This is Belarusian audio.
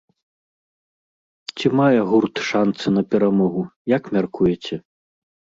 Ці мае гурт шанцы на перамогу, як мяркуеце?